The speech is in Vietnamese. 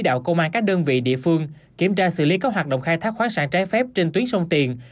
đạo công an các đơn vị địa phương kiểm tra xử lý các hoạt động khai thác khoáng sản trái phép trên tuyến sông tiền